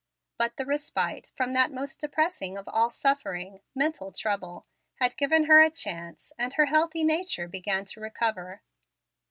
But the respite from that most depressing of all suffering; mental trouble, had given her a chance, and her healthful nature began to recover.